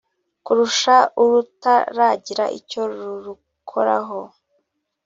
kurusha urutaragira icyo rurukoraho